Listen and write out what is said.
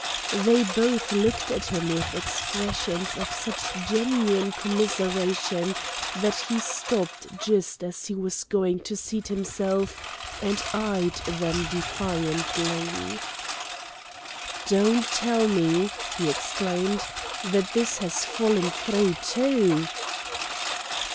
They both looked at him with expressions of such genuine commiseration that he stopped just as he was going to seat himself and eyed them defiantly. "Don't tell me," he exclaimed, "that this has fallen through too!"